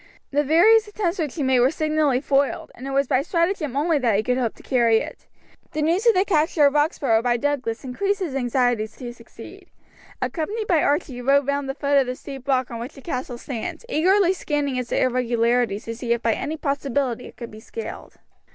The various attempts which he made were signally foiled, and it was by stratagem only that he could hope to carry it. The news of the capture of Roxburgh by Douglas increased his anxiety to succeed. Accompanied by Archie he rode round the foot of the steep rock on which the castle stands, eagerly scanning its irregularities to see if by any possibility it could be scaled.